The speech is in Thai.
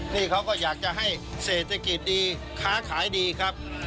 นี่เขาก็อยากจะให้เศรษฐกิจดีค้าขายดีครับ